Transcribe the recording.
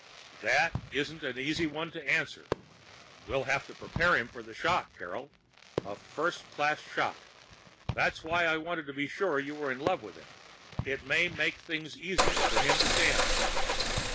"That isn't an easy one to answer. We'll have to prepare him for a shock, Carol. A first class shock. That's why I wanted to be sure you were in love with him. It may make things easier for him to stand."